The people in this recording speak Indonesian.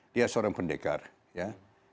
dia seorang pendekar ya